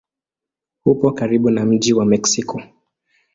Upo karibu na mji wa Meksiko.